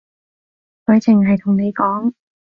佢淨係同你講